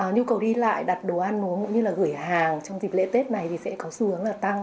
nhu cầu đi lại đặt đồ ăn uống cũng như là gửi hàng trong dịp lễ tết này thì sẽ có xu hướng là tăng